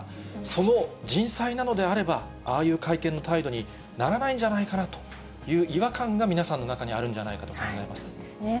その人災なのであれば、ああいう会見の態度にならないんじゃないかなという違和感が皆さんの中にあるんじゃないかと考えます。